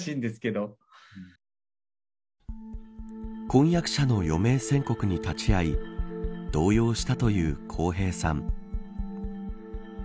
婚約者の余命宣告に立ち会い動揺したという、こうへいさん。